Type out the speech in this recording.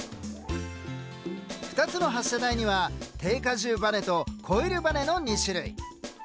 ２つの発射台には定荷重バネとコイルバネの２種類。